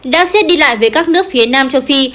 đã xét đi lại với các nước phía nam châu phi